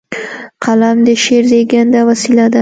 قلم د شعر زیږنده وسیله ده.